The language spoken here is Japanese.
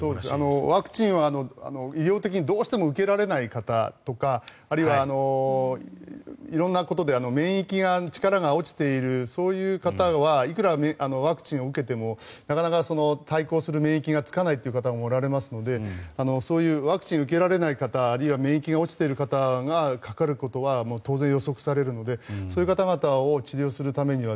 ワクチンは医療的にどうしても受けられないという方とかあるいは色んなことで免疫の力が落ちているそういう方はいくらワクチンを受けてもなかなか対抗する免疫がつかないという方もおられますのでそういうワクチンを受けられない方あるいは免疫が落ちている方がかかることは当然予測されるのでそういう方々を治療するためには